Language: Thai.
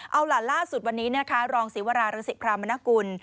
เอาล่ะล่าสุดวันนี้นะคะรองศิวรารังศิพรามนกุล